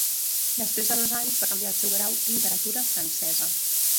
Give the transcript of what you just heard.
Després de dos anys va canviar el seu grau a Literatura Francesa.